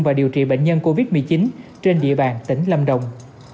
và điều trị bệnh nhân covid một mươi chín trên địa bàn tỉnh lâm đồng